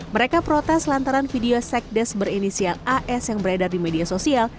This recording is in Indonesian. mereka protes lantaran video sekdes berinisial as yang beredar di media sosial